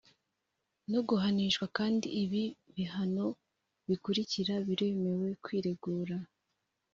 no guhanishwa kandi ibi bihano bikurikira biremewe kwiregura